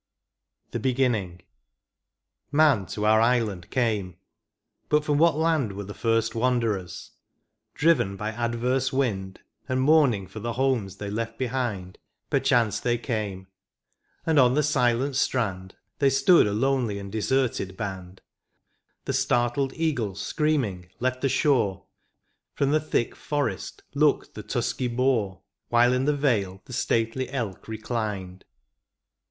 I. THE BEGINNING. Man to our island came ; but from what land Were the first wanderers ? Driven by adverse wind, And mourning for the homes they left behind, Perchance they came ; and on the silent strand They stood a lonely and deserted band : The startled eagle, screaming, left the shore. From the thick forest looked the tusky boar, While in the vale the stately elk reclined.